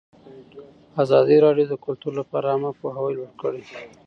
ازادي راډیو د کلتور لپاره عامه پوهاوي لوړ کړی.